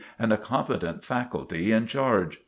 and a competent faculty in charge.